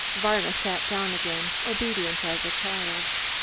Varna sat down again, obedient as a child.